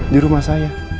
di rumah saya